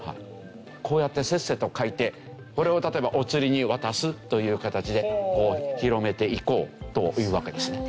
こうやってせっせと書いてこれを例えばお釣りに渡すという形で広めていこうというわけですね。